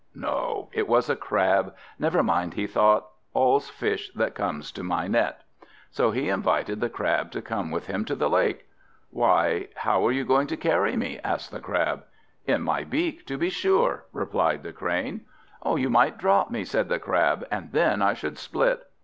No, it was a Crab. Never mind, he thought; all's fish that comes to my net! So he invited the Crab to come with him to the lake. "Why, how are you going to carry me?" asked the Crab. "In my beak, to be sure!" replied the Crane. "You might drop me," said the Crab, "and then I should split."